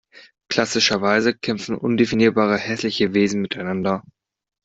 Klassischerweise kämpfen undefinierbare hässliche Wesen miteinander.